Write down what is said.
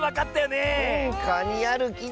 ねえかにあるき。